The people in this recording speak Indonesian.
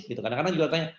kadang kadang juga ditanya